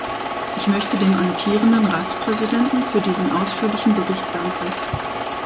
Ich möchte dem amtierenden Ratspräsidenten für diesen ausführlichen Bericht danken.